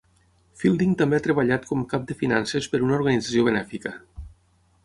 Fielding també ha treballat com cap de finances per una organització benèfica.